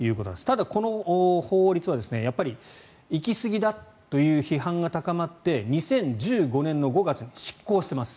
ただ、この法律は行きすぎだという批判が高まって２０１５年の５月に失効しています。